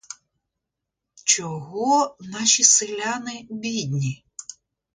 Чого наші селяни бідні?